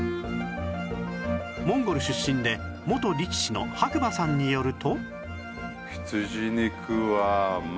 モンゴル出身で元力士の白馬さんによると